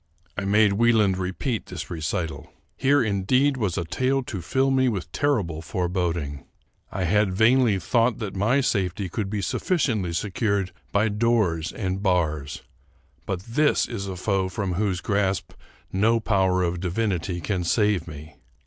I made Wieland repeat this recital. Here indeed was a tale to fill me with terrible foreboding. I had vainly thought that my safety could be sufficiently secured by doors and bars, but this is a foe from whose grasp no power of divinity can save me!